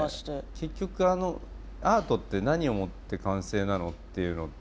結局アートって何をもって完成なのっていうのって